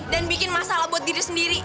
dan bikin masalah buat diri sendiri